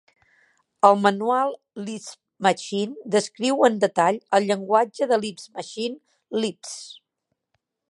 El manual Lisp Machine descriu en detall el llenguatge de Lisp Machine Lisp.